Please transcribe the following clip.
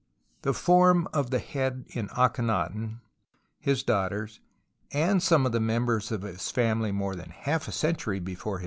90 TUTANKHAMEN The form of the head in Akhenaton, his daughters and some of the members of his family, more tlian half a century before his Via.